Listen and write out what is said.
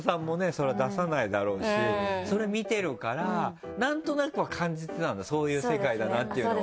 それは出さないだろうしそれ見てるからなんとなくは感じてたんだそういう世界だなっていうのは。